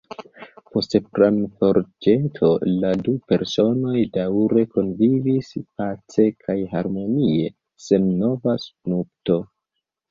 Post planforĵeto la du personoj daŭre kunvivis pace kaj harmonie sen nova nupto.